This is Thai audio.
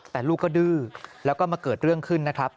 แต่ลูกก็ดื้อแล้วก็มาเกิดเรื่องขึ้นนะครับ